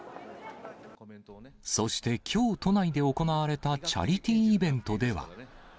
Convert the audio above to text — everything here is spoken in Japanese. そしてきょう、都内で行われたチャリティーイベントでは。